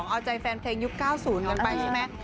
เอาใจแฟนเพลงยุค๙๐กันไปใช่ไหม